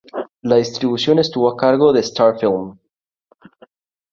La distribución estuvo a cargo de Star Film.